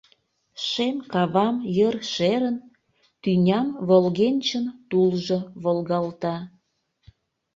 Шем кавам йыр шерын, Тӱням волгенчын тулжо волгалта.